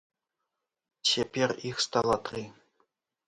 Цяпер іх стала тры.